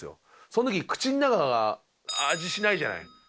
その時口の中が味しないじゃない。